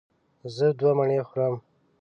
زه دوه مڼې خورم.